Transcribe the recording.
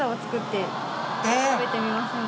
食べてみませんか？